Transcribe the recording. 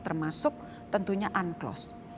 termasuk tentunya unclos